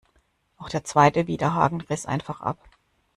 Auch der zweite Widerhaken riss einfach ab.